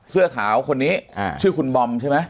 เสื้อขาวคนนี้ชื่อคุณบอมใช่ไหม